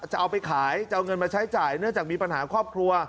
จะเอาไปขายจะเอาเงินมาใช้จ่ายเนื่องจากมีปัญหาครอบครัว